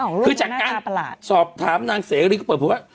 คือจากการสอบถามนางเสรีก็เปิดเผยว่า